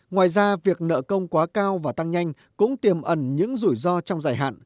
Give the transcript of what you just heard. ngoài ra việc nợ công quá cao và tăng nhanh cũng tiềm ẩn những rủi ro trong dài hạn